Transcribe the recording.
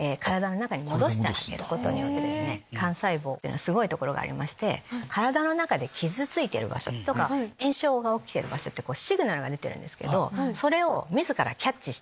幹細胞っていうのはすごいところがありまして体の中で傷ついてる場所とか炎症が起きてる場所ってシグナルが出てるんですけどそれを自らキャッチして。